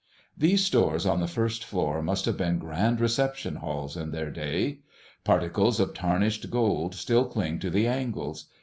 These stores on the first floor must have been grand reception halls in their day. Particles of tarnished gold still cling to the angles.